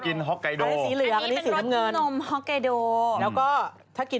คุณกินเลยผมอยากให้คุณกิน